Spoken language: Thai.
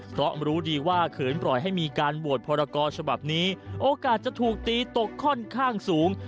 เพราะรู้ดีว่าเขินปล่อยให้มีการโหวตพรกรฉบับนี้โอกาสจะถูกตีตกค่อนข้างสูง